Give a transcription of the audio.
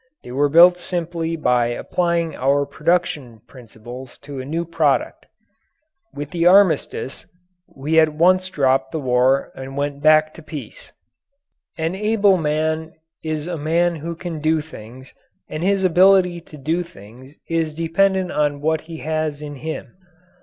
They were built simply by applying our production principles to a new product. With the Armistice, we at once dropped the war and went back to peace. An able man is a man who can do things, and his ability to do things is dependent on what he has in him.